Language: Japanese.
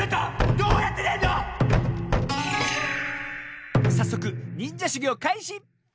どうやってでんの⁉さっそくにんじゃしゅぎょうかいし！